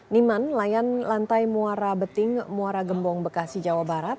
niman layan lantai muara beting muara gembong bekasi jawa barat